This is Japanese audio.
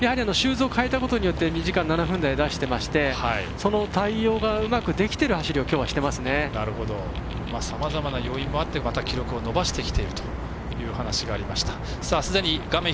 シューズを変えたことによって２時間７分台出してまして、その対応がうまくできてる走りをさまざまな要因もあってまた記録を伸ばしてきているという話がありました。